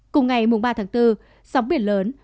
cùng ngày ba bốn sóng biển lớn